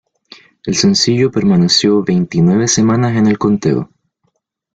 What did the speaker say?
El sencillo permaneció veintinueve semanas en el conteo.